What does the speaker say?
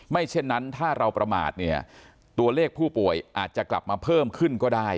เช่นนั้นถ้าเราประมาทเนี่ยตัวเลขผู้ป่วยอาจจะกลับมาเพิ่มขึ้นก็ได้